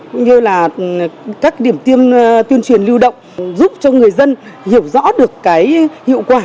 cũng như là các điểm tiêm tuyên truyền lưu động giúp cho người dân hiểu rõ được cái hiệu quả